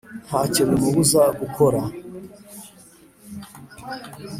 nta cyo bimubuza gukora,